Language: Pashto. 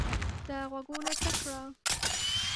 ده غوږونه څک کړل.